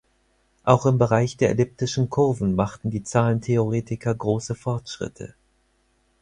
Auch im Bereich der elliptischen Kurven machten die Zahlentheoretiker große Fortschritte.